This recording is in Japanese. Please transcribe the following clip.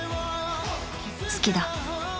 好きだ